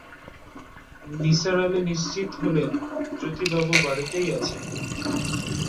নিসার আলি নিশ্চিত হলেন জ্যোতিবাবু বাড়িতেই আছেন।